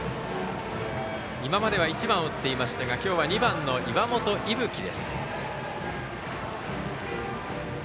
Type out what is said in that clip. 今までは１番を打っていましたが今日は２番の岩本聖冬生です。